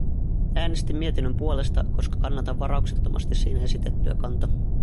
Äänestin mietinnön puolesta, koska kannatan varauksettomasti siinä esitettyä kantaa.